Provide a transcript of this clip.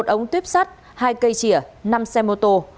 một ống tuyếp sắt hai cây chìa năm xe mô tô